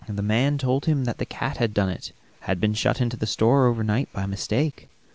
The man told him that the cat had done it; had been shut into the store over night by mistake.